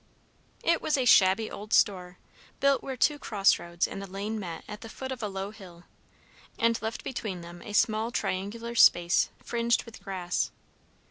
It was a shabby old store, built where two cross roads and a lane met at the foot of a low hill, and left between them a small triangular space fringed with grass.